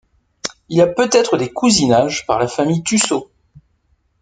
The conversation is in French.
Il y a peut-être des cousinages par la famille Tusseau.